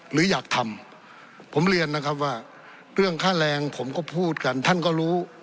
หรืออยากทำผมเรียนนะครับว่าเรื่องค่าแรงผมก็พูดกันท่านก็รู้